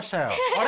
あれ？